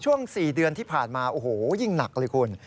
ช่วง๔เดือนที่ผ่านมาโอ้โหยิ่งหนักเลยคุณ